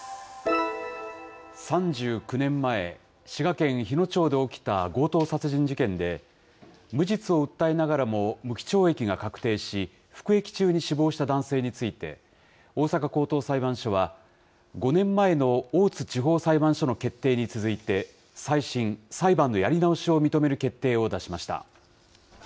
３９年前、滋賀県日野町で起きた強盗殺人事件で、無実を訴えながらも無期懲役が確定し、服役中に死亡した男性について、大阪高等裁判所は、５年前の大津地方裁判所の決定に続いて、再審・裁判のやり直しを認める決定を出しました。